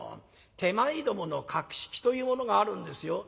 手前どもの格式というものがあるんですよ。